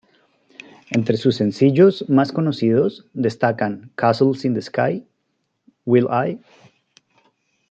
Entre sus sencillos más conocidos destacan ""Castles in the Sky"", ""Will I?